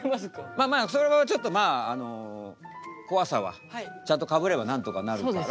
まあまあそれはちょっとまあ怖さはちゃんとかぶればなんとかなるから。